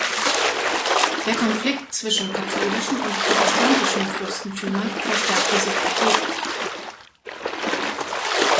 Der Konflikt zwischen katholischen und protestantischen Fürstentümern verstärkte sich erheblich.